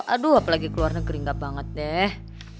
aduh apalagi ke luar negeri enggak banget deh